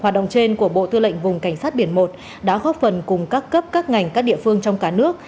hoạt động trên của bộ tư lệnh vùng cảnh sát biển một đã góp phần cùng các cấp các ngành các địa phương trong cả nước